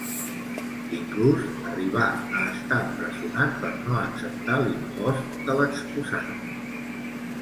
Inclús, arribà a estar empresonat per no acceptar l'impost de l'excusat.